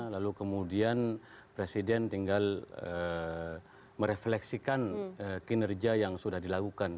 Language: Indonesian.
lalu kemudian presiden tinggal merefleksikan kinerja yang sudah dilakukan